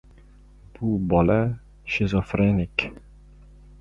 Bu bola — shizofrenik!